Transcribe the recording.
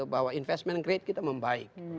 bahwa investment grade kita membaik